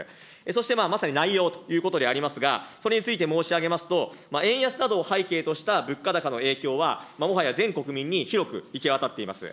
そしてまあ、まさに内容ということでありますが、それについて申し上げますと、円安などを背景とした物価高の影響は、もはや全国民に広く行き渡っています。